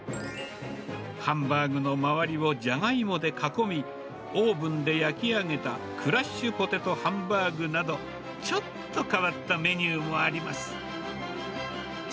ハンバーグの周りをジャガイモで囲み、オーブンで焼き上げたクラッシュポテトハンバーグなど、ちょっと変わったメニューもあります。